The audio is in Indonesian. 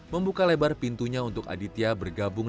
membuka lebar pintunya untuk aditya bergabung